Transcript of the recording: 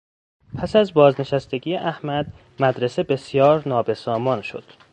پس از بازنشستگی احمد مدرسه بسیار نابسامان شد.